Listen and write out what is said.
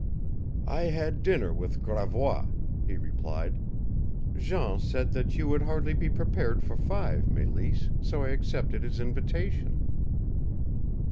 "I had dinner with Gravois," he replied. "Jean said that you would hardly be prepared for five, Mélisse, so I accepted his invitation."